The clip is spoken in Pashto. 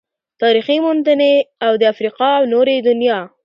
تاريخي موندنې او د افريقا او نورې دنيا